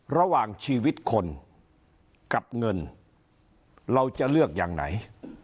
ระหว่างชีวิตคนกับเงินเราจะเลือกอย่างไหน